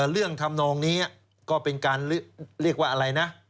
ทำนองนี้ก็เป็นการเรียกว่าอะไรนะ